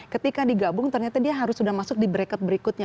ketika digabung ternyata dia harus sudah masuk di bracket berikutnya